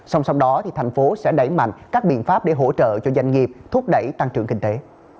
song song đó thành phố sẽ đẩy mạnh các biện pháp để hỗ trợ cho doanh nghiệp thúc đẩy tăng trưởng kinh tế